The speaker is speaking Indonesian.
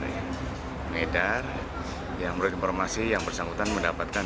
pengedar yang menurut informasi yang bersangkutan mendapatkan